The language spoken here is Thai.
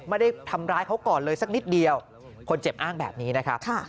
ไม่ได้ทำร้ายเขาก่อนเลยสักนิดเดียวคนเจ็บอ้างแบบนี้นะครับ